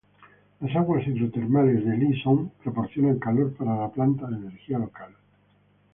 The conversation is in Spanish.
Las aguas hidrotermales de Lý Sơn proporcionan calor para la planta de energía local.